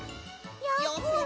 やころが。